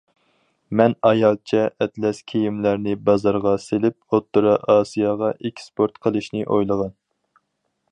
مەن ئايالچە ئەتلەس كىيىملەرنى بازارغا سېلىپ، ئوتتۇرا ئاسىياغا ئېكسپورت قىلىشنى ئويلىغان.